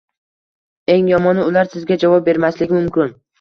Eng yomoni ular sizga javob bermasligi mumkin.